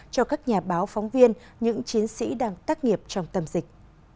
cho các nhà báo phóng viên những chiến sĩ đang tác nghiệp trong tâm dịch